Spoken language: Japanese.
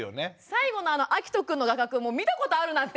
最後のあのあきとくんの画角見たことあるなっていう。